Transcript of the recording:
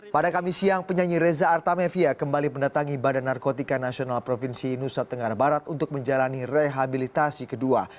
pada kamis siang penyanyi reza artamevia kembali mendatangi badan narkotika nasional provinsi nusa tenggara barat untuk menjalani rehabilitasi kedua